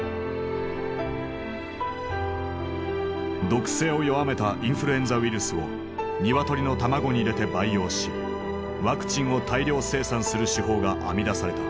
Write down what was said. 毒性を弱めたインフルエンザウイルスを鶏の卵に入れて培養しワクチンを大量生産する手法が編み出された。